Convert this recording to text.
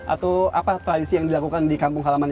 atau apa tradisi yang dilakukan di kampung halaman